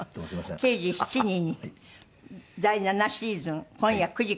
『刑事７人』に第７シーズン今夜９時から。